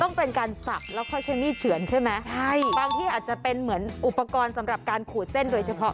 ต้องเป็นการสับแล้วค่อยใช้มีดเฉือนใช่ไหมใช่บางที่อาจจะเป็นเหมือนอุปกรณ์สำหรับการขูดเส้นโดยเฉพาะ